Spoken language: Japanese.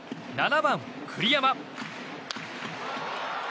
７番、栗山。